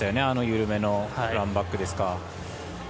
あの緩めのランバックですか。